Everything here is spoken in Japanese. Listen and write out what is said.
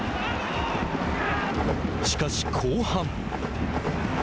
しかし後半。